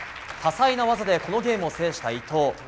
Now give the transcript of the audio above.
多彩な技でこのゲームを制した伊藤。